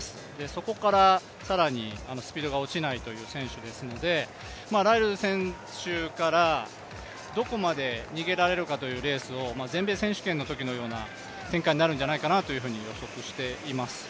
そこから更にスピードが落ちない選手ですので、ライルズ選手からどこまで逃げられるかというレースを、全米選手権のときのような展開になるんじゃないかなと予測しています。